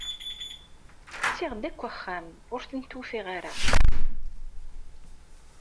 Ttiɣ-d akk axxam, ur tent-ufiɣ ara.